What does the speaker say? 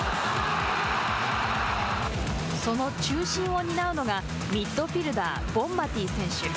その中心を担うのがミッドフィルダーボンマティ選手。